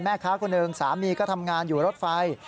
คนหนึ่งสามีก็ทำงานอยู่รถไฟ